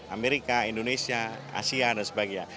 amerika indonesia asia dan sebagainya